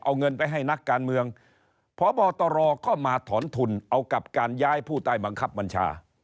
เอาเงินไปให้นักการเมืองพบตรก็มาถอนทุนเอากับการย้ายผู้ใต้บังคับบัญชา